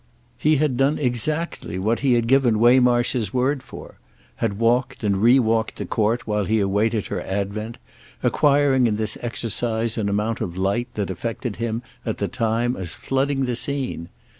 He had done exactly what he had given Waymarsh his word for—had walked and re walked the court while he awaited her advent; acquiring in this exercise an amount of light that affected him at the time as flooding the scene.